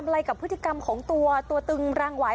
อะไรกับพฤติกรรมของตัวตึงรางหวาย